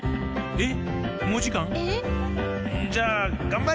えっ？